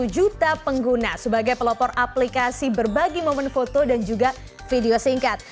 satu juta pengguna sebagai pelopor aplikasi berbagi momen foto dan juga video singkat